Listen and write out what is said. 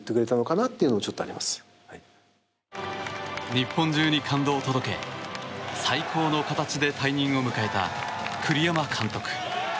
日本中に感動を届け最高の形で退任を迎えた栗山監督。